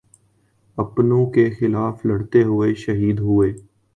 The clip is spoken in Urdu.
اپنوں کیخلاف لڑتے ہوئے شہید ہوئے